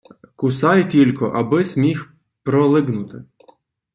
Кусай тілько, аби-с міг пролиґнути.